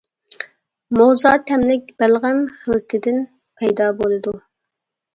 موزا تەملىك بەلغەم خىلىتىدىن پەيدا بولىدۇ.